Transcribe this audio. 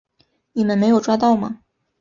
你们没有抓到吗？